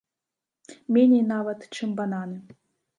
Меней нават, чым бананы.